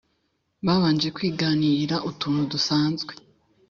babanje kwiganirira utuntu dusanzwe